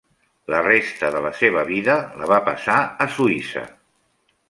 La resta de la seva vida la va passar a Suïssa.